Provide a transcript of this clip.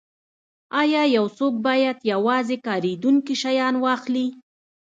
ایا یو څوک باید یوازې کاریدونکي شیان واخلي